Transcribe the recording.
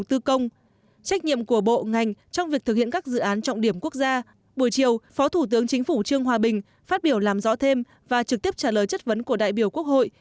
trong trọng điểm quốc gia buổi chiều phó thủ tướng chính phủ trương hòa bình phát biểu làm rõ thêm và trực tiếp trả lời chất vấn của đại biểu quốc hội